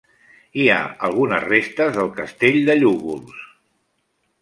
Hi ha algunes restes del Castell de Llúgols.